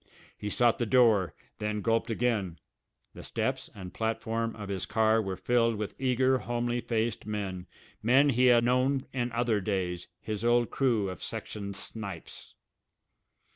He sought the door, then gulped again. The steps and platform of his car were filled with eager, homely faced men, men he had known in other days, his old crew of section "snipes."